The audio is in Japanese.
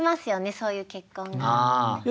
そういう結婚が。